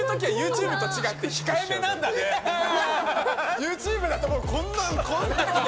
ＹｏｕＴｕｂｅだとこんなん。